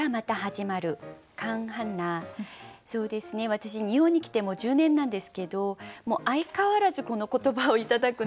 私日本に来てもう１０年なんですけど相変わらずこの言葉を頂くんですね。